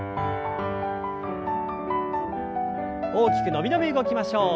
大きく伸び伸び動きましょう。